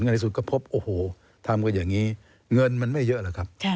ในที่สุดก็พบโอ้โหทำกันอย่างนี้เงินมันไม่เยอะหรอกครับ